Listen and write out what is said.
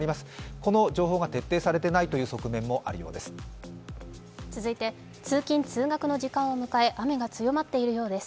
この情報が徹底されていないという側面もあるようです。